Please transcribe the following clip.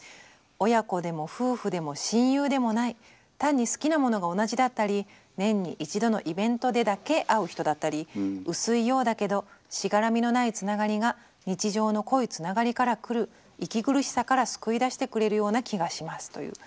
親子でも夫婦でも親友でもない単に好きなものが同じだったり年に一度のイベントでだけ会う人だったり薄いようだけどしがらみのないつながりが日常の濃いつながりからくる息苦しさから救い出してくれるような気がします」という。